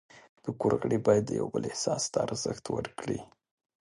د کور غړي باید د یو بل احساس ته ارزښت ورکړي.